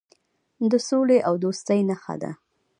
د سولې او دوستۍ نښه ده.